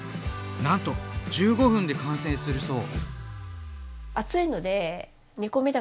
なんと１５分で完成するそう！